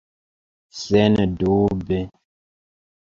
Sendube!